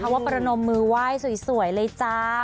ว่าประนมมือไหว้สวยเลยจ้า